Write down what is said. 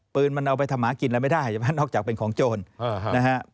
ปืนมันเอาไปทำหากินอะไรไม่ได้นอกจากเป็นของโจรนะฮะ